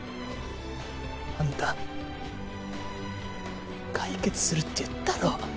あんた解決するって言ったろ！